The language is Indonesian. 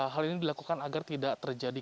hal ini dilakukan agar tidak terjadi